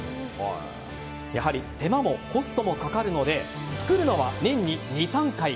やはり手間もコストもかかるので作るのは年に２３回。